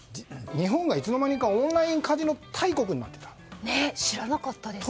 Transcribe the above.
日本がいつの間にかオンラインカジノ大国に知らなかったです。